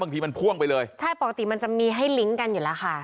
บางทีมันพ่วงไปเลยใช่ปกติมันจะมีให้ลิงก์กันอยู่แล้วค่ะ